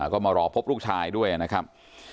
ก็มารอพบลูกชายด้วยนะครับ